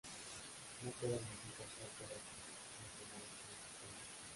No quedan dibujos autógrafos relacionados con este proyecto.